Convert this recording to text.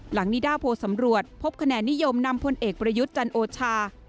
นิดาโพสำรวจพบคะแนนนิยมนำพลเอกประยุทธ์จันโอชา